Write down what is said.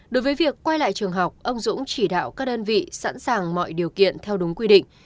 đối với việc quay lại trường học ông dũng chỉ đạo các đơn vị sẵn sàng mọi điều kiện theo đúng quy định